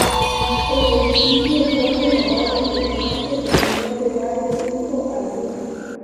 El edificio fue renovado pero no se terminó de darle uso alguno.